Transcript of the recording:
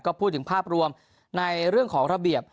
ก็พูดถึงภาพรวมในเรื่องของระเบียบ